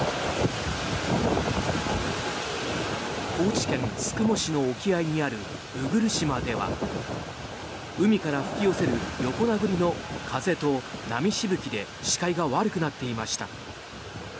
高知県宿毛市の沖合にある鵜来島では海から吹き寄せる横殴りの風と波しぶきで視界が悪くなっていました。